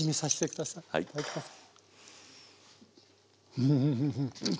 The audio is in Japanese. ウフフフフ。